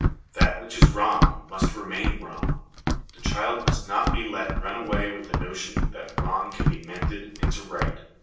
That which is wrong must remain wrong : the child must not be let run away with the notion that wrong can be mended into right.